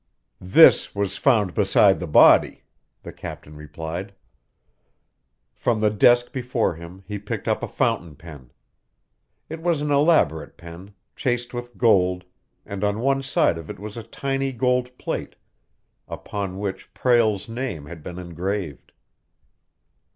"This was found beside the body," the captain replied. From the desk before him he picked up a fountain pen. It was an elaborate pen, chased with gold, and on one side of it was a tiny gold plate, upon which Prale's name had been engraved.